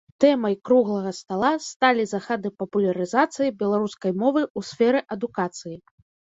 Тэмай круглага стала сталі захады папулярызацыі беларускай мовы ў сферы адукацыі.